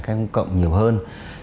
cách công cộng nhiều hơn